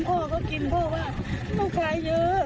พ่อก็กินพ่อเขาว่าลูกขายเยอะ